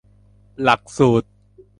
หลักสูตร